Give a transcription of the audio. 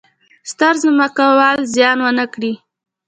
ستر ځمکوال زیان ونه کړي.